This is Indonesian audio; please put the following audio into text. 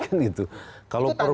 nggak mau gitu kan gitu